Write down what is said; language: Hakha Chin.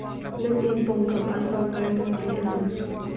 Nan inn pawngkam ah pangpar tampi an um.